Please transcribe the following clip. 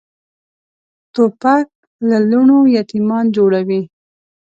توپک له لوڼو یتیمان جوړوي.